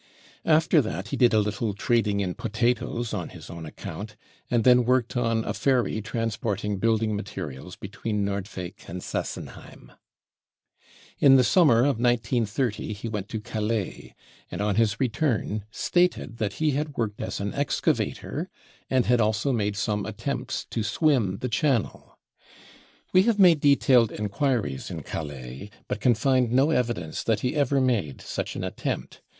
After that, he did a little trading in potatoes on his own account, and then worked on a ferry transporting building materials between Norci weyk and Sassenheim. van'der lubbe, the tool 55 In the summer < 5 f 1930 he went to Calais, hind on his, return stated that he had worked as an excavator and had, also made some attempts to swim the channel. We have * made detailed enquiries in Calais, but can find no evidence that he ever made such an attempt.